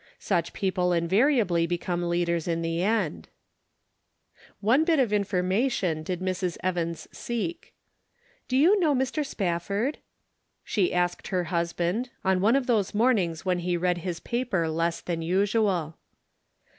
Such people invariably become leaders in the end. One bit of information did Mrs. Evans' seek. Interrogation Points. 95 " Do you know Mr. Spafford ?" she asked her husband, on one of those mornings when he read his paper less than usual.